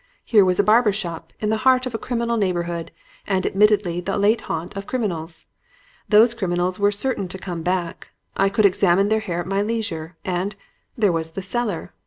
Here was a barber's shop in the heart of a criminal neighborhood and admittedly the late haunt of criminals. Those criminals were certain to come back. I could examine their hair at my leisure; and there was the cellar.